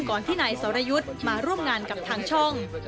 ที่นายสรยุทธ์มาร่วมงานกับทางช่อง